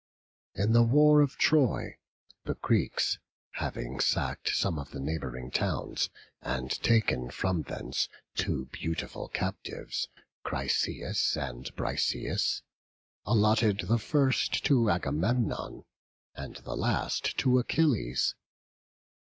In the war of Troy, the Greeks having sacked some of the neighbouring towns, and taken from thence two beautiful captives, Chryseis and Briseis, allotted the first to Agamemnon, and the last to Achilles.